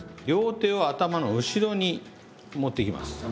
両手を頭の後ろに持っていきます。